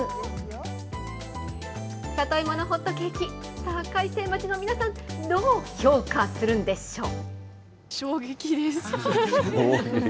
里芋のホットケーキ、開成町の皆さん、どう評価するんでしょう。